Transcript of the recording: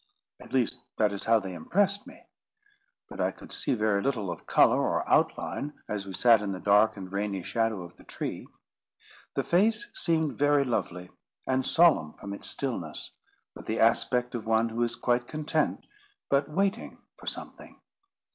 At least that is how they impressed me; but I could see very little of colour or outline as we sat in the dark and rainy shadow of the tree. The face seemed very lovely, and solemn from its stillness; with the aspect of one who is quite content, but waiting for something.